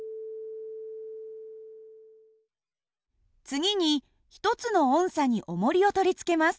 次に１つの音叉におもりを取り付けます。